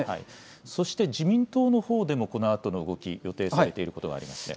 そして自民党のほうでもこのあとの動き、予定されていることがありますね。